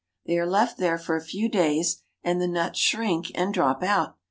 They are left there for a few days, and the nuts shrink and drop out.